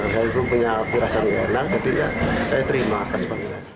saya itu punya aku rasanya enak jadi ya saya terima